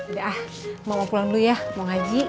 udah ah mama pulang dulu ya mau ngaji